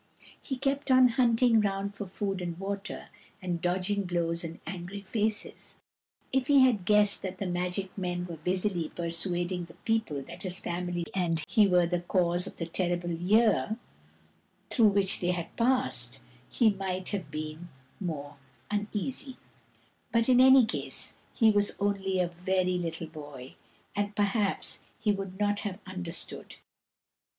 He kept on hunting round for food and water, and dodging blows and angry faces. If he had guessed that the magic men were busily persuading the people that his family and he were the cause of the terrible year through which they had passed, he might have been more uneasy ; but, in any case, he was only a very little boy, and perhaps he would not have understood.